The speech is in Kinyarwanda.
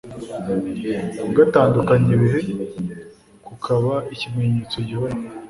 kugatandukanya ibihe, kukaba ikimenyetso gihoraho